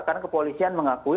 karena kepolisian mengakui